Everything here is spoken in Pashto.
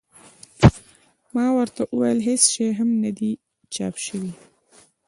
ما ورته وویل هېڅ شی هم نه دي چاپ شوي.